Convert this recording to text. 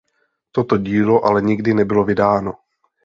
Toto dílo ale nikdy nebylo vydáno.